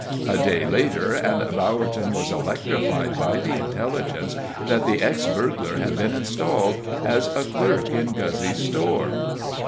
A day later, and Bowerton was electrified by the intelligence that the ex burglar had been installed as a clerk in Guzzy's store.